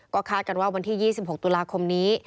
คาดกันว่าวันที่๒๖ตุลาคมนี้